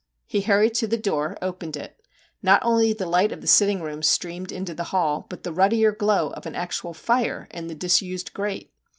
He hurried to the door, opened it; not only the light of the sitting room streamed into the hall, but the ruddier glow of an actual fire in the disused grate!